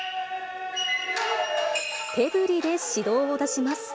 手ぶりで指導を出します。